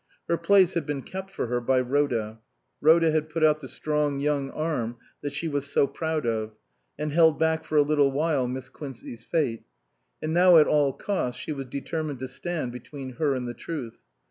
Her place had been kept for her by Rhoda. Rhoda had put out the strong young arm that she was so proud of, and held back for a little while Miss Quincey's fate ; and now at all costs she was determined to stand between her and the truth.